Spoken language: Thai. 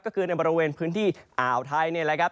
ก็คือในบริเวณพื้นที่อ่าวไทยนี่แหละครับ